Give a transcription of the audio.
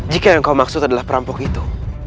jika yang kau maksud adalah perampok itu